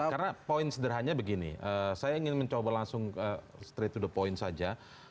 karena poin sederhananya begini saya ingin mencoba langsung straight to the point saja